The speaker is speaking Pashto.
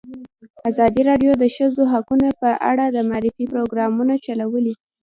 ازادي راډیو د د ښځو حقونه په اړه د معارفې پروګرامونه چلولي.